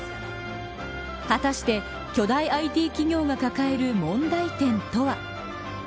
果たして巨大ＩＴ企業が抱える問題点とは。